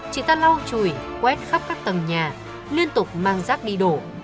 chị ta lau chùi quét khắp các tầng nhà liên tục mang rác đi đổ